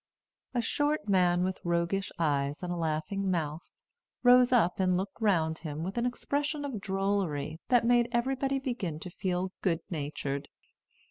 A short man, with roguish eyes and a laughing mouth, rose up and looked round him with an expression of drollery that made everybody begin to feel good natured.